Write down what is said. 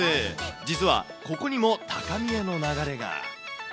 実は、ここにも高見えの流れが。